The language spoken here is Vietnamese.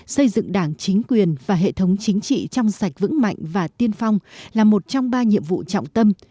xây dựng đảng chính quyền và hệ thống chính trị trong sạch vững mạnh và tiên phong là một trong ba nhiệm vụ trọng tâm